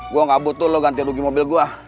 gue gak butuh lo ganti rugi mobil gue